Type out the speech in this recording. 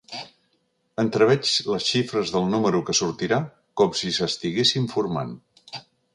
Entreveig les xifres del número que sortirà com si s'estiguessin formant.